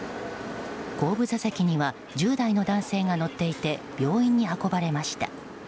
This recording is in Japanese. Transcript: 後部座席には１０代の男性が乗っていて病院に運ばれました。